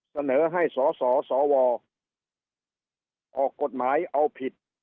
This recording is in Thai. เสนอให้สสสวออกกฎหมายเอาผิด